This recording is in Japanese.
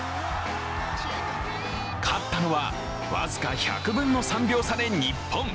勝ったのは僅か１００分の３秒差で日本。